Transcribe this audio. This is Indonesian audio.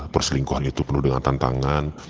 perselingkuhan itu penuh dengan tantangan